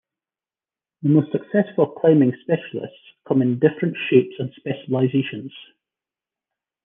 The most successful climbing specialists come in different shapes and specializations.